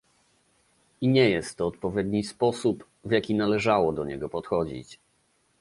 I nie jest to odpowiedni sposób, w jaki należało do niego podchodzić